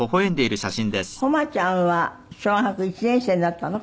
誉ちゃんは小学１年生になったの？